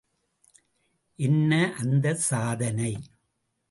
என்ன அந்த சாதனை?